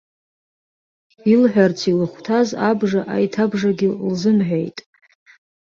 Илҳәарц илыхәҭаз абжа аиҭабжагьы лзымҳәеит.